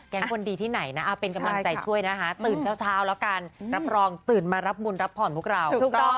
คนดีที่ไหนนะเอาเป็นกำลังใจช่วยนะคะตื่นเช้าแล้วกันรับรองตื่นมารับบุญรับผ่อนพวกเราถูกต้อง